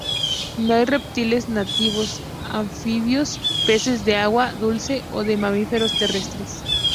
No hay reptiles nativos, anfibios, peces de agua dulce, o de mamíferos terrestres.